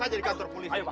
jangan diam pak